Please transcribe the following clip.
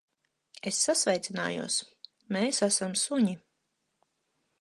Es sasveicinājos. Mēs esam suņi.